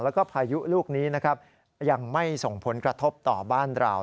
แล้วก็พายุลูกนี้นะครับยังไม่ส่งผลกระทบต่อบ้านเรา